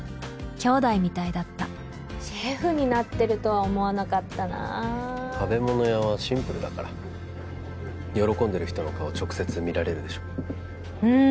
きょうだいみたいだったシェフになってるとは思わなかったな食べ物屋はシンプルだから喜んでる人の顔直接見られるでしょうん